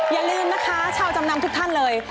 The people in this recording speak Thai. อย่าลืมนะคะชาวจำนำทุกท่านเลย